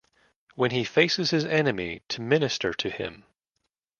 When he faces his enemy to minister to him.